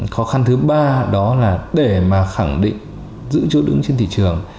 khó khăn thứ ba đó là để mà khẳng định giữ chỗ đứng trên thị trường